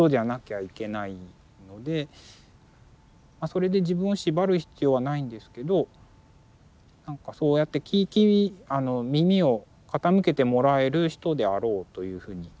それで自分を縛る必要はないんですけど何かそうやって耳を傾けてもらえる人であろうというふうに思ってます。